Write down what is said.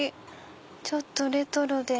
ちょっとレトロで。